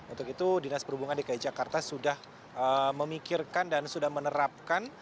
untuk itu dinas perhubungan dki jakarta sudah memikirkan dan sudah menerapkan